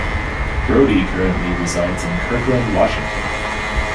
Brodie currently resides in Kirkland, Washington.